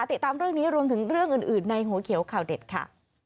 ติดตามเรื่องนี้รวมถึงเรื่องอื่นในหัวเขียวข่าวเด็ดค่ะ